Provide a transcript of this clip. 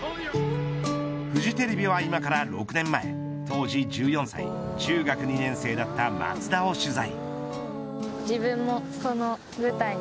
フジテレビは今から６年前当時１４歳中学２年生だった松田を取材。